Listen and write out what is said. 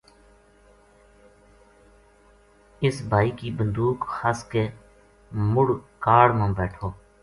اِس بھائی کی بندوق خس کے مُڑ کاڑ ما بیٹھو